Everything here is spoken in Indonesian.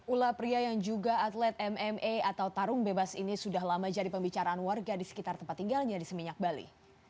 ulah pria yang juga atlet mma atau tarung bebas ini sudah lama jadi pembicaraan warga di sekitar tempat tinggalnya di seminyak bali